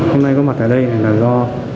hôm nay có mặt ở đây là do